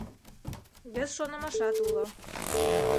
Вес шонымашат уло.